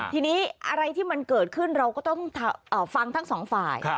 ทีนี้อะไรที่มันเกิดขึ้นเราก็ต้องฟังทั้งสองฝ่าย